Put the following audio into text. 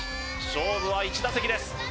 勝負は１打席です